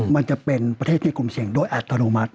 มันจะเป็นประเทศที่กลุ่มเสี่ยงโดยอัตโนมัติ